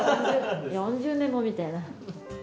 ４０年もみたいな。